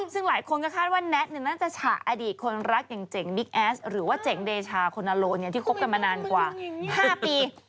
ซึ่งหลายคนก็คาดว่าแน็ตน่าจะฉะอดีตคนรักอย่างเจ๋งบิ๊กแอสหรือว่าเจ๋งเดชาโคนาโลที่คบกันมานานกว่า๕ปี